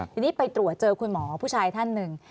ทีนี้ไปตรวจเจอคุณหมอผู้ชายท่านหนึ่ง